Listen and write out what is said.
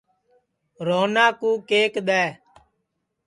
روہنا کُو کیک دؔے